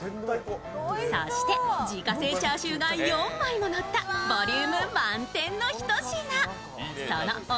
そして、自家製チャーシューが４枚ものったボリューム満点のひと品。